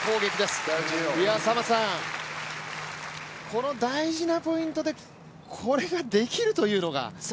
この大事なポイントでこれができるというのが。